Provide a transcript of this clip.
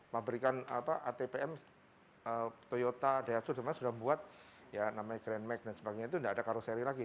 pabrikan atpm toyota daihatsu dan lainnya sudah membuat ya namanya grand mag dan sebagainya itu tidak ada karoseri lagi